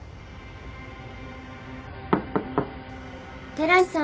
寺西さん？